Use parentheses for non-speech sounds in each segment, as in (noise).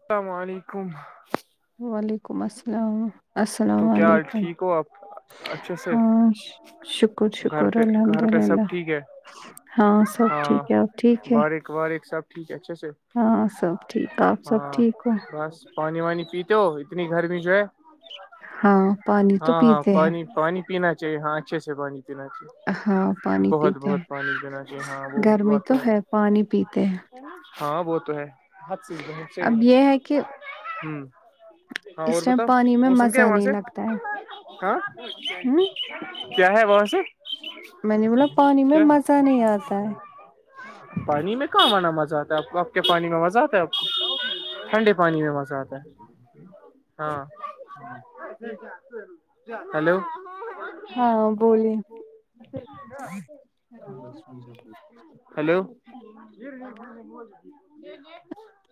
السلام علیکم تو کیا ٹھیک (unintelligible) ہو آپ اچھے سے ہاں شکر گھر شکر پہ الحمد گھر پہ سب للہ ٹھیک ہے ہاں سب ٹھیک ہے اب ٹھیک ہے ابار ایکاحب ٹھیک ہے اچھا سے ہاں سب ٹھیک آپ سب ہاں ٹھیک ہو بس پانی وانی پیتے ہو اتنی گرمی جو ہے ہاں پانی تو ہاں ہاں پیتے ہیں پانی پانی پینا چاہیے ہاں اچھے سے پانی پینا ہاں چاہیے پانی بہت پیتے ہیں بہت پانی جناا کہ ہاں بت گرمی تو بتا ہے پانی پیتے ہیں ہے ہاں وہ تو ہے ح سے ہی اب یہ ہے کہ ہاں اور اس ٹائم بتاؤ پانی میں موسم کیا ہے مزہ وہاں نہیں سے لگتا ہے ہاں ہوں کیا ہے وہاں سے میں نے بولا پانی میں کیا مزہ نہیں آتا ہے پانی میں کہاں آنا مزہ آتا ہے آپ کے پانی میں مزہ آتا ہے آپ کو ٹھنڈے پانی میں مزہ آتا ہے ہاں ہاں ہیلو ہاں بولی ہلو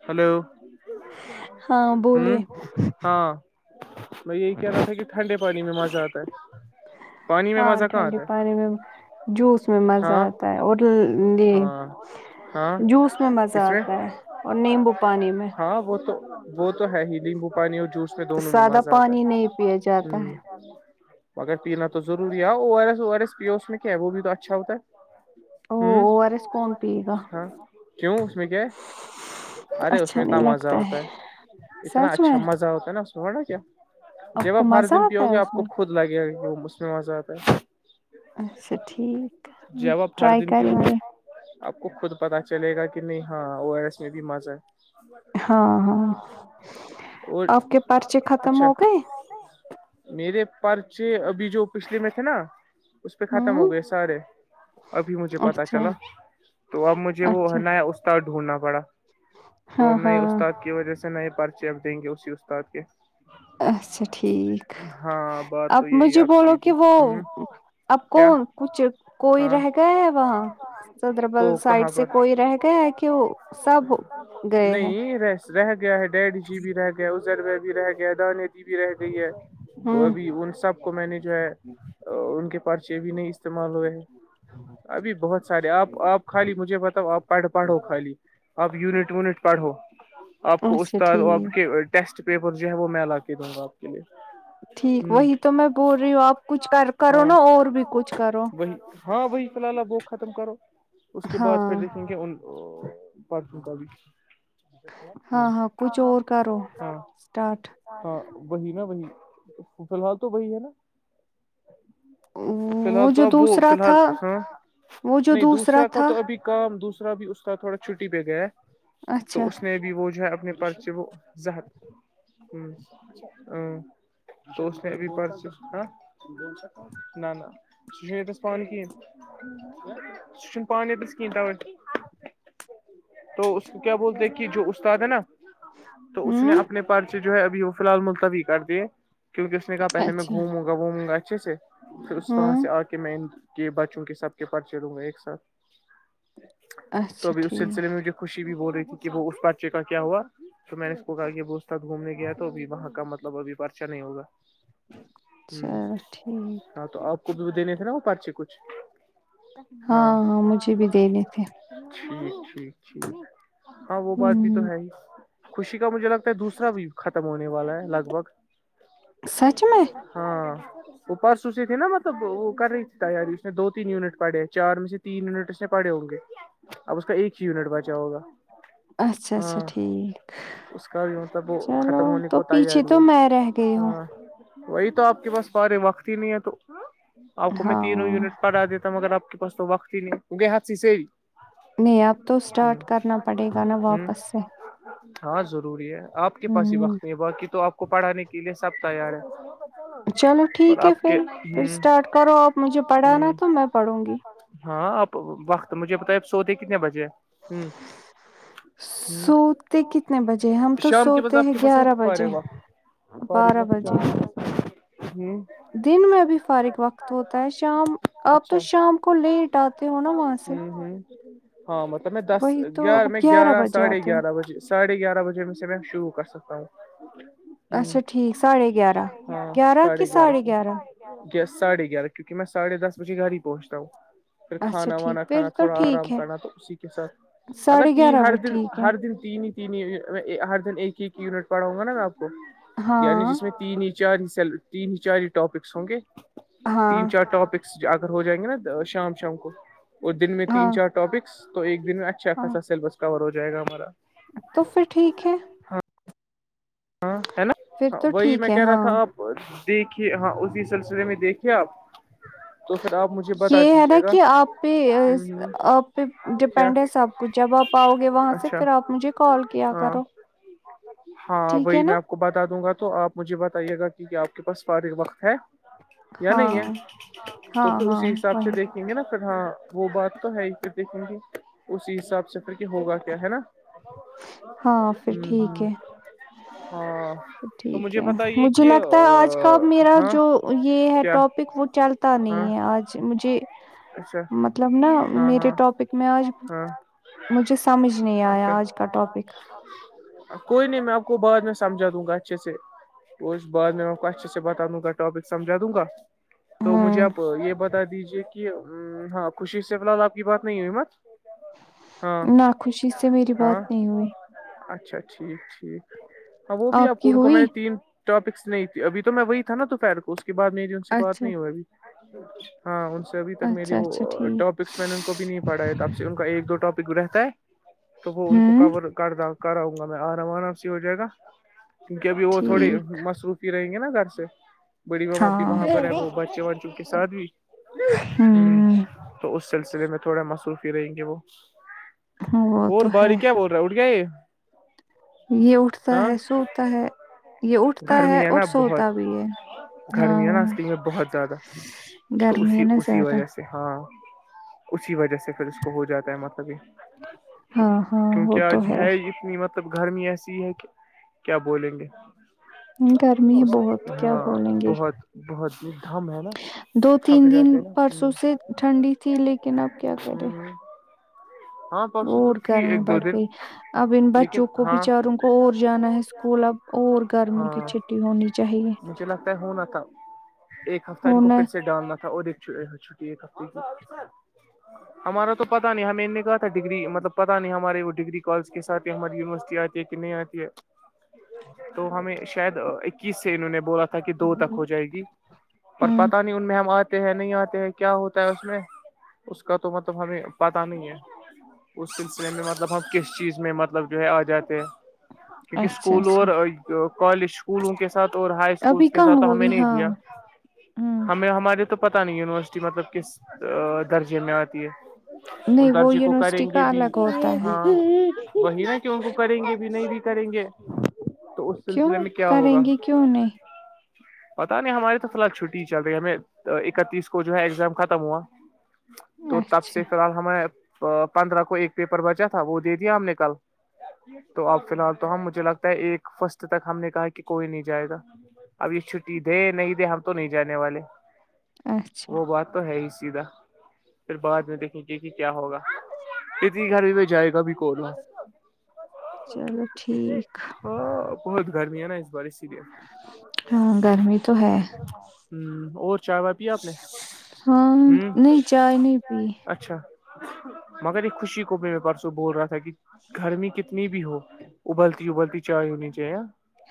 ہلو ہاں ہوں بولیے ہاں میں یہی کہہ رہا تھا کہ ٹھنڈے پانی میں مزہ آتا ہے پانی میں ہاں مزہ کہاں ٹھنڈی آتا ہے پانی میں جوس میں مزہ ہاں آتا ہے اور یہ ہاں ہاں جوس میں مزہ آتا ہے اور نیمبو پانی میں ہاں وہ تو وہ تو ہے ہی نمبو پانی اور جوس میں دونوں میں سادہ مزہ آتا پانی ہے نہیں پیا جاتا ہے ہاں مگر پینا تو ضروری ہے O R S O R S پیو اس میں کیا ہے وہ بھی تو اچھا ہوتا او ہے ہوں او آر ایس کون پیے گا ہاں کیوں اس میں کیا ہے ارے اس میں اچھا اتنا نہیں مزہ لگتا ہے ہوتا ہے اتنا سچ میں اچھا مزہ ہوتا ہے نا س نا کیا جیب کو آپ ہرے مزہ دن آتا پیو ہے گے اس آپ کو میں خود لگے گا اس میں مزہ آتا ہے اچھا ٹھیک جب آپ ہر ٹرائی دن پیو کریں گے آپ کو خود پتا چلے گا کہ نہیں ہاں او آر ایس میں بھی مزہ ہاں ہے ہاں اور آپ کے پرچے ختم اچھا ہو گئے میرے پرچے ابھی جو پچھلے میں تھے نا اس پہ ختم ہو ہوں گئے سارے ابھی مجھے پتا اچھا چلا تو اب مجھے وہ ہے اچھا نا استاد ڈھونڈنا پڑا تو ا ہاں ہم نئے ہاں استاد کی وجہ سے نئے پرچے اب دیں گے اسی استاد کے اچھا ٹھیک ہاں بات اب تو یہی مجھے آپ بولو کہ سیدھی وہ ہ اب کیا کون کچھ کوئی ہاں رہ گیا ہے وہاں سدربل کو سائڈ کہاں سے پر کوئی رہ گیا ہے کہ وہ سب گئے ہے نہیں رہ رہ گیا ہے ڈیڈ جی بھی رہ گیا ازرو بھی رہ گیا ہے دانے دی بھی رہ گئی ہے وہ ہوں ابھی ان سب کو میں نے جو ہے ان کے پرچے بھی نہیں استعمال ہوئے ابھی بہت سارے آپ آپ خالی مجھے بتاؤ آپ پڑھ پڑھو خالی آپ یونٹ ویونٹ پڑھو آپ کو اچھا استاد آپ ٹھیک کے ٹیسٹ پیپر جو ہے وہ میں للا کے دوں گاپ ٹھیک وہی تو میں بول رہی ہوں آپ کچھ کر کرو ہاں نا اور بھی کچھ کرو وہی ہاں بی فی الحاللہ بک ختم کرو اس کے بعد پھر ہاں دیکھیں گے ان کب ہاں اسٹاٹھ ہاں وہی نا وہی فی الحال تو وہی ہے نا فی الحال وہ تو جو اب وہ فی دوسرا الحال تھا ہ وہ جو نہیں دوسرا کا تھا تو ابھی کام دوسرا بھی اس کا تھوڑا چھٹی پہ گیا ہے اچھا تو اس نے بھی وہ جو ہے اپنے پس سے وہ ز ہت ہ ا س میں اب پرچس ہاں نہ ن س ن ایتس پانی کی نہ س پانی پسکتا تو اس کو کیا بولتے کہ جو استاد ہے نا تو اس نے ہوں اپنے پرچے جو ہے ابھی وہ فی الحال ملتوی کر دیے کیونکہ اس نے کہا پہل میں اچھا گھوموں گا وھوموں گا اچھے سے پھر اس طح ہوں سے آ کے میں کہ بچوں کے سب کے پر چلوں گا ایک ساتھ تو اچھا ابھی اس ٹھیک سلسلے میںھے خوشی بھی بول رہی تھی کہ وہ اس بادچے کا کیا ہوا تو میں نے اس کو کہ وہ استاھ گھومنے گیا تھا تو بھی وہاں کا مطلب ابھی پرچا نہیں ہوگا ہ چلو ٹھیک ہاں تو آپ کو بھی دینے تھے نا وہ پچے کچھ ہاں ہاں مجھے بھی دینے تھے ٹھیک ٹھیک ٹھیک ہاں وہ بات بھی تو ہوں، ہے ہی خوشی کا مجھے لگتا ہے دوسرا بھی ختم ہونے والا ہے لگ بھگ سچ میں؟ ہاں وہ پرس اسی تھی نا مطلب وہ کر رہی تھی تیاری اس نے دو تین یونٹ پڑے چار میں سے تین یونٹ اس سے پڑے ہوں گے اب اس کا ایک ہی یونٹ بچا ہوگا اچھا اچھا ہاں ٹھیک اس کا بھی مطلب وہ چلو ختم ہونے تو کو پیچھے تیاری تو ہے میں رہ گئی ہوں ہاں وہی تو آپ کے پاس بارے وقت ہی نہیں ہے تو آپ کو میں تینوں ہاں، یونٹ پھا دیتا ہوں مگر آپ کے بخ نہیں بگے ہاچ سے نہیں اب تو اسٹارٹ ہ کرنا پڑے گا نا واپس سے ہاں ضروری ہے آپ کے پاس ہی ہوں، وقت نہیں ہے باقی تو آپ کو پڑھانے کے لیے سب تیار ہے چلو اور ٹھیک ہے آپ کے پھر پھر ہ اسٹارٹ کرو آپ مجھے پڑھانا ہ تو میں پڑھوں گی ہاں اب وقت مجھے بتائی اب سوودے کتنے بجے ہ ہ سوتے کتنے بجے؟ ہم تو شام کے بج آ سوتے ہیں س بجے، پ ب پ بجے۔ ب چ ہ دن میں بھی فارغ وقت ہوتا ہے شام آپ تو اچھا شام کو لیٹ آتے ہو نا وہاں سے ہ ہ ہاں مطلب میں دس وہی تو آپ گیار میں گیارہ بجے ساھے آتے ہو۔ گیارہ بجے ساڑھے گیارہ بجے میں سے میں شو کر سکتا ہوں اچھا ٹھیک ساڑھے گیارہ گیارہ کہ ساڑے گیارہ گیس ساھے گیارہ کیوںکہ میں سڑھے دس بجے گھر ہی پہنچتا ہوں پھر اچھا کھانا وانا ٹھیک پھر کھانا تو تھوڑا آرام ٹھیک ہے کرنا تو اسی کے ساتھ اگر ساڑھے تی گیارہ ہر بجے دن ٹھیک ہے ہر دن تین نہیں ت ہر دن ایک ایک یونٹ پڑاؤں گا نا میں آپ کو یعنی ہاں جس میں تین ہی چار ہی تین ہی چار ہی ٹاپکس ہوں گے ہاں تین چار ٹاپکس ہو جائیں گے نا شام شام کو اور دن میں ہاں تین چار ٹاپکس تو ایک دن میں اچھا ہاں خاصا سیلبس کور ہو جائے گا ہمارا تو پھر ٹھیک ہے ہاں ہے پھر نا تو وہی ٹھیک میں ہے کہہ رہا ہاں تھا اب دیکھیے ہاں اسی سلسلے میں دیکھیے آپ تو پھر آپ مجھے بتا یہ ہے نا دیجیے گا کہ آپ پہ ہ آپ پہ کیا ڈپینڈ ہے سب جب آپ آؤ گے وہاں سے اچھا پھر آپ مجھے کال کیا ہاں کرو ہاں ٹھیک ہے وہی میں نا آپ کو بتا دوں گا تو آپ مجھے بتائیے گا کی کیا آپ کے پاس فارغ وقت ہے یا نہیں ہاں ہے ہاں تو پھر ہاں اسی حساب سے وہی دیکھ دیکھیں گے نا پھر ہاں وہ بات تو ہے ہی پھر دیکھیں گے اسی حساب سے پھر کہ ہوگا کیا ہے نا ہاں پھر ٹھیک ہے ہاں تو ٹھیک مجھے ہے بتائیے مجھے کہ لگتا ہے آج کا میرا ہاں جو یہ ہے کیا ٹاپک وہ چلتا پتا ہاں نہیں ہے آج مجھے اچھا مطلب نا ہاں میرے ہاں ٹاپک میں آج ہاں مجھے سمجھ نہیں اچھا آیا آج کا ٹاپک کوئی نہیں میں آپ کو بعد میں سمجھا دوں گا اچھے سے تو اس بارد میں آپ کو اچھے سے بتا دوں گا ٹاپک سمجھا دوں گا تو مجھے ہوں آپ یہ بتا دیجے کہ ہاں خوشی سے فی الحال آپ کی بات نہیں ہو امت ناخوشی سے میری بات ہاں نہیں ہوئی اچھا ٹھیک ٹھیک ہاں وہ بھی آپ کو کی ان کو میں ہوئی نے تین ٹاپکس نہیں تھے ابھی تو میں وہی تھا نا توپہر کو کے بعد میری ان سے بات اچھا نہیں ہو ابھی ہاں ان سے ابھی تک میری اچھا اچھا وہ ٹھیک ٹاپکس میں نے ان کو بھی نہیں پڑھا ہے تو اب سے ان کا ایک دو ٹاپک رہتا ہے تو وہ ان کو ک ہوں کر کراؤں گا میں آرا آرا سے ہو جائے گا کیونکہ ابھی وہ تھوڑی ٹھیک مصروفی ہی رہیں گے نا گھر سے بڑی ماما بھی ہاں وہاں پر ہے وہ بچے وچ کے ساتھ بھی ہوں تو اس سلسلے میں تھوڑے مصروفی رہیں گے وہ وہ اور تو ہے باریک اٹ گئے یہ اٹھتا ہے سوتا ہے یہ اٹھتا ہے گرمی اور نا بہت سوتا بھی یہ گرمی ہے نا اسٹگ میں بہت زیادہ تو گرمی ہے اسی نا اسی زیادہ وجہ سے ہاں اسی وجہ سے پھر اس کو ہو جاتا ہے مطلب یہ ہاں ہاں وہ کیونکہ تو آج ہے اتنی مطلب گرمی ایسی ہے کہ کیا بولیں گے گرمی ہے اس بہت کیا ہاں بولیں گے بہت بہت ہی دم ہے نا دو تین تھک دن جاتے ہیں نا پرسوں سے ٹھنڈی تھی لیکن اب کیا کرے ہاں پرسوں تو اور تھی گرمی ایک دو بڑھ دن گئی اب ان لیکن بچوں کو ہاں بچاروں کو اور جانا ہے اسکول اب اور گرمی کی ہاں چھٹی ہونی چاہیے مجھے لگتا ہونا تھا ایک ہفتہ ان کو ہونا پھر سے ڈالنا تھا اور ایک ٹھیک ہمارا تو پتا نہیں ہے ہمیں ان نے کہا تھا ڈگری مطلب پتاہ نہیں ہمارے وہ ڈگری کالج کےاتھ ہی ہماراری یونیورسٹی آ یہ کنی آتی ہے تو ہمیں شاید اکیس سے انہوں نے بولا تھا کہ دو تک ہو جائے گی پر ہوں پتاہ نہیں ان میں ہم آتے ہیں نہیں آتے ہیں کیا ہوتا ہے اس میں اس کا تو مطلب ہمیں پتا نہیں ہے اس سلسلے میں مطلب ہم کس چیز میں مطلب جو ہے آ جاتے ہیں کیونکہ اچھا اسکول اچھا اور کالج اسکولوں کے ساتھ اور ہائی ابھی اسکولس کے کہاں ساتھ تو ہمیں ہوئی نہیں ہاں دیا ہوں ہمیں ہمارے تو پتا نہیں یونیورسٹی مطلب کس درجے میں آتی ہے اور نہیں وہ درجے کو کریں یونیورسٹی گے کا بھی الگ ہوتا ہے ہاں وہی ان کو کریں گے بھی نہیں بھی کریں گے تو اس سلسلے کیوں میں کیا کریں ہوگا گے کیوں نہیں پتا نہیں ہماری تو فح چھٹی ہی چل رہی ہے ہم اکتیس کو جو ہے ایگزام ختم ہوا تو تب اچھا سے فی الحال ہمیں پندرہ کو ایک پیپر بچا تھا وہ دے دیا ہم نے کل تو اب فی الحال تو ہم مجھے لگتا ہے ایک فسٹ تک ہم نے کہا کہ کوئی نہیں جائے گا اب یہ چھٹی دے نہیں دے ہم تو نہیں جانے والے اچھا وہ بات تو ہے ہی سیدھا پھر بعد میں دیکھ گے کہ کیا ہوگا کتنی گھر بھی میں جائے گا بھی کو رہوں چلو ٹھیک ہاں بہت گرمی ہے نا اس بار اسی لیے ہاں گرمی تو ہے ہ اور چائے وائے پیا آپ نے ہاں ہ نہیں چائے نہیں پی اچ اچھا مگر ایک خوشی کو م پرسوں بول رہا تھا کہ گرمی کتنی بھی ہو ابلتی ابلتی چائےیوں نچےاں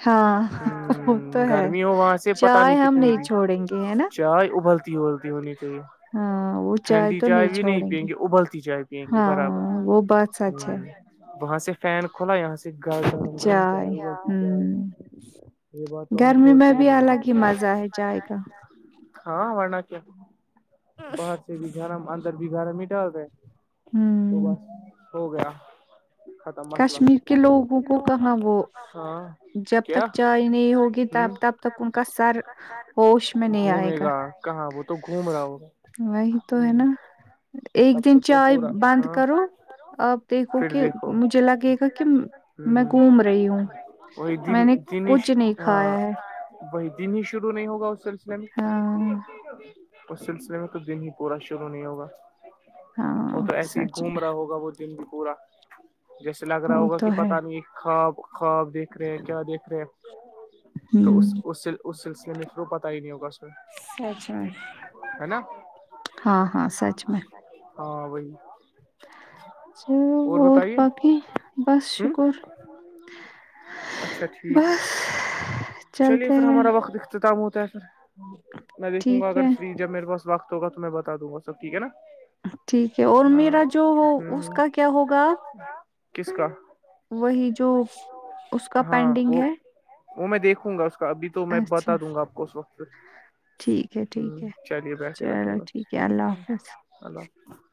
ہاں وہ ہ تو ہے گرمی ہو وہاں سے پتا چائے نہیں ہم کتنی بھی چھوڑیں گے ہے نا چائے ابلتی ہوتی ہونی چاہیے ہاں وہ ٹھنڈی تو چائے بھی نہیں چھوڑیں پیئیں گے ابلتی چائے پییں گے برابر ہاں وہ بات سچ ہ ہے وہاں سے فین کھولا یہاں سے گ چائے ہوں ہم گرمی میں چھوڑتے ہی بھی نہیں الگ ہیں ہی مزہ ہے چائے کا ہاں ورنہ کیا باہر سے بھی گرم اندر بھی گرم ہی ڈال رہے ہیں تو ہوں بس ہو گیا (unintelligible) مسئلہ کشمیر کے لوگوں کو کہاں وہ جب مزہ تک چائے نہیں ہوگی تب تک ان کا سر ہوش میں نہیں آئے گا گھومے گا کہاں وہ تو گھوم رہا ہوگا وہی تو ہے نا ایک تب دن تو تو چائے پورا بند ہاں کرو آپ دیکھو کہ مجھے لگے گا کہ میں گھوم رہی ہوں وہ ج میں نے کچھ جینس نہیں آ کھایا ہے وہی دن ہی شرو نہیں ہوگا اس سلسلے میں ہاں اس سلسلے میں تو دن ہی پورا شرو نہیں ہوگا وہ ہاں تو ایسے ہی سچ گھوم رہا ہوگا وہ دن بھی پورا جیسے لگ میں رہا وہ ہوگا کہ تو ہے پتا نہیں خواب خواب دیک دیک رہے کیا دیکھ رہے تو ہوں اس سلسلے میں پتا ہی نہیں ہوگا میں سچ میں ہے نا ہاں ہاں سچ میں ہاں بائی چل اور باقی بس ہ شکر اچھا ٹھیک بس چلیے چلتے پھر ہیں ہمارا وقت اختتام ہوتا ہے پھر میں دیکھوں گا ٹھیک اگر ہے فری جب میرے پاس وقت ہوگا تو میں بتا دوں گا سب ٹھیک ہے نا ٹھیک ہے اور ہاں میرا جو ہو اس ہ کا کیا ہوگا کس کا وہی جو اس کا ہاں پینڈنگ وہ ہے وہ میں دیکھوں گا اس کا ابھی تو میں اچھا بتا دوں گا آپ کو اس وقت پ ٹھیک ہے ہ ٹھیک ہے چلیے بیٹھے بیٹھے چلو ال ٹھیک ہے اللہ حافظ اللہ حافظ